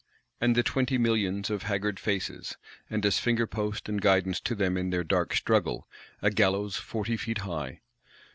And the Twenty Millions of "haggard faces;" and, as finger post and guidance to them in their dark struggle, "a gallows forty feet high"!